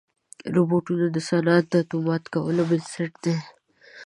روبوټونه د صنعت د اتومات کولو بنسټ دي.